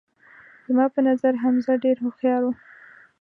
زما په نظر حمزه ډیر هوښیار وو